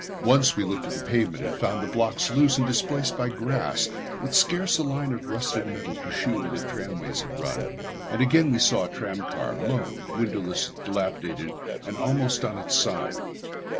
Once we looked at the pavement and found the blocks loose and displaced by grass, with scarce a line of rusted metal to shew where the tramways had run. And again we saw a tram car, lone, windowless, dilapidated, and almost on its side.